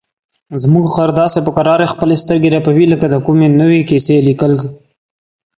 زموږ خر داسې په کراره خپلې سترګې رپوي لکه د کومې نوې کیسې لیکل.